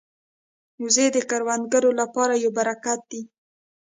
وزې د کروندګرو لپاره یو برکت دي